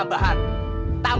tambahan berapa lu